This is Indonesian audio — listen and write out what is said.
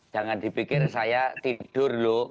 jangan dipikir saya tidur lho